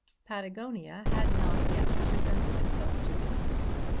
Patagonia had not yet presented itself to him.